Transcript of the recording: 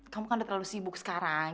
kamu kan udah terlalu sibuk sekarang